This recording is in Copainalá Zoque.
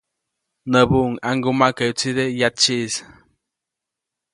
Näbuʼuŋ ‒ʼaŋgumaʼkäyubäʼtside yatsytsiʼis‒.